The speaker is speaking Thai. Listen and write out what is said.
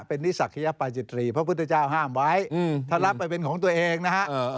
เป็นนิสักขยปาจิตรีพระพุทธเจ้าห้ามไว้ถ้ารับไปเป็นของตัวเองนะฮะ